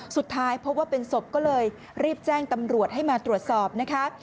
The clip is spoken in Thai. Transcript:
สุดท้ายพบว่าเป็นศพก็เลยรีบแจ้งตำรวจให้มาตรวจสอบนะคะ